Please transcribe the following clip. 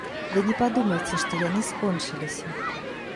Вы не падумайце, што яны скончыліся.